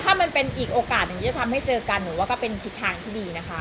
ถ้ามันเป็นอีกโอกาสหนึ่งที่จะทำให้เจอกันหนูว่าก็เป็นทิศทางที่ดีนะคะ